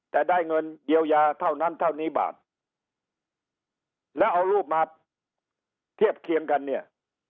แต่ได้เงินเยียวยาเท่านั้นเท่านี้บาทแล้วเอารูปมาเทียบเคียงกันเนี่ย